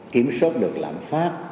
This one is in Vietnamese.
kiểm soát được lãm pháp